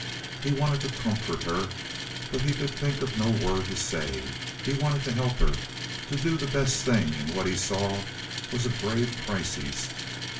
He wanted to comfort her, but he could think of no word to say; he wanted to help her to do the best thing in what he saw was a grave crisis.